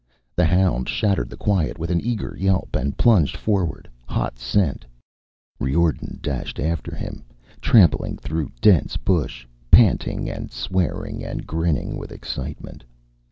The hound shattered the quiet with an eager yelp and plunged forward. Hot scent! Riordan dashed after him, trampling through dense bush, panting and swearing and grinning with excitement.